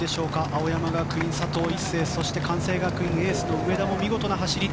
青山学院、佐藤一世そして関西学院エースの上田も見事な走り。